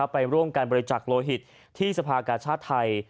ไปร่วมการบริจักษ์โลหิตที่สภากาชาติไทย